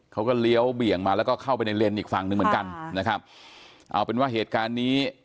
เลี้ยวเบี่ยงมาแล้วก็เข้าไปในเลนส์อีกฝั่งหนึ่งเหมือนกันนะครับเอาเป็นว่าเหตุการณ์นี้